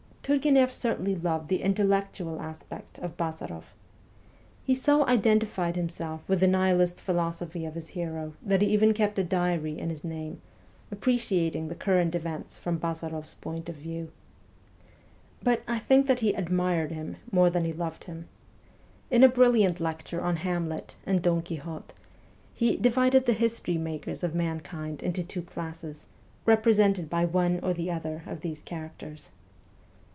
Turgueneff certainly loved the intellectual aspect of Bazaroff. He so identified himself with the Nihilist philosophy of his hero that he even kept a diary in his name, appreciating the current events from BazarofPs point of view. But I think that he admired him more than he loved him. In a brilliant lecture on Hamlet and Don Quixote, he divided the history makers of mankind into two classes, represented by one or the other of these characters.